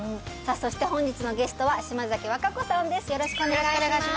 そして本日のゲストは島崎和歌子さんです